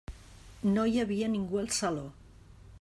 No hi havia ningú al saló.